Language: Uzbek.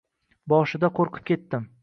Boshida qo`rqib ketdim